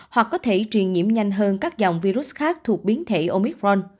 hoặc có thể truyền nhiễm nhanh hơn các dòng virus khác thuộc biến thể omicron